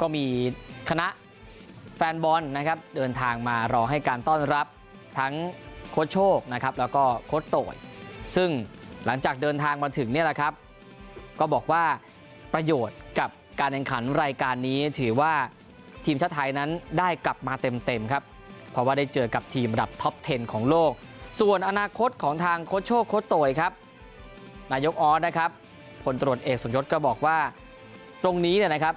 ก็มีคณะแฟนบอลนะครับเดินทางมารอให้การต้อนรับทั้งโค้ชโชคนะครับแล้วก็โค้ดโตยซึ่งหลังจากเดินทางมาถึงเนี่ยแหละครับก็บอกว่าประโยชน์กับการแข่งขันรายการนี้ถือว่าทีมชาติไทยนั้นได้กลับมาเต็มครับเพราะว่าได้เจอกับทีมระดับท็อปเทนของโลกส่วนอนาคตของทางโค้ชโชคโค้ดโตยครับนายกออสนะครับผลตรวจเอกสมยศก็บอกว่าตรงนี้เนี่ยนะครับ